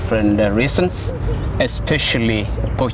và lúc đó chúng ta có thời gian để ăn bữa tối